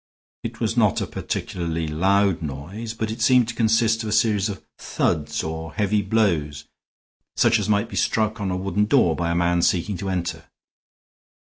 It was not a particularly loud noise, but it seemed to consist of a series of thuds or heavy blows, such as might be struck on a wooden door by a man seeking to enter.